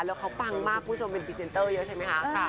แล้วเขาพังมากผู้ชมเป็นพรีเซเซนเตอร์ใช่ไหมคะ